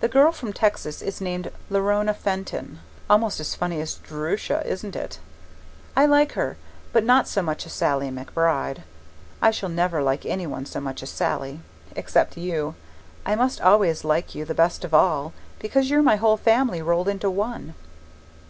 The girl from Texas is named Leonora Fenton. (Almost as funny as Jerusha, isn't it?) I like her, but not so much as Sallie McBride; I shall never like any one so much as Sallie except you. I must always like you the best of all, because you're my whole family rolled into one.